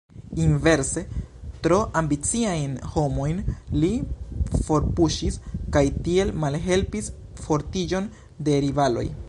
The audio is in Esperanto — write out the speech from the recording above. Inverse, tro ambiciajn homojn li forpuŝis kaj tiel malhelpis fortiĝon de rivaloj.